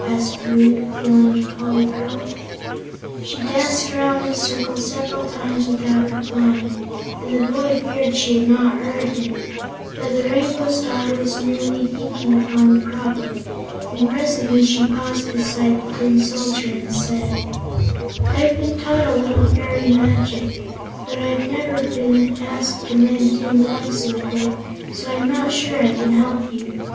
asked Woot, appealing to Polychrome. She danced around in a circle several times without replying, and the boy feared she had not heard him; but the Rainbow's Daughter was merely thinking upon the problem, and presently she paused beside the Tin Soldier and said: "I've been taught a little fairy magic, but I've never before been asked to mend tin legs with it, so I'm not sure I can help you.